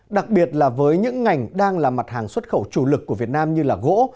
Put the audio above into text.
đặc biệt là với những ngành đang là mặt hàng xuất khẩu chủ lực của việt nam như gỗ